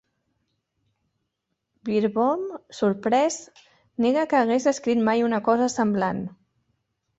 Beerbohm, sorprès, nega que hagués escrit mai una cosa semblant.